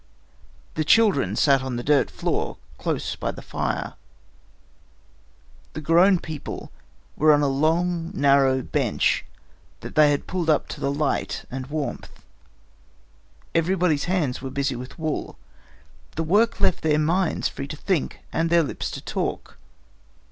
The children sat on the dirt floor close by the fire. The grown people were on a long narrow bench that they had pulled up to the light and warmth. Everybody's hands were busy with wool. The work left their minds free to think and their lips to talk.